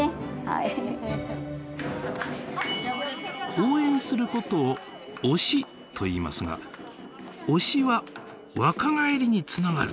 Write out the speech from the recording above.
応援することを「推し」といいますが推しは若返りにつながる。